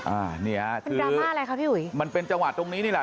อ่าเนี่ยคือมันเป็นจังหวัดตรงนี้นี่แหละ